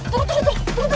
tunggu tunggu tunggu